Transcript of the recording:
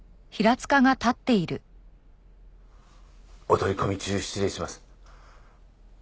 お取り込み中失礼します。